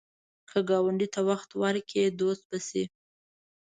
که ګاونډي ته وخت ورکړې، دوست به شي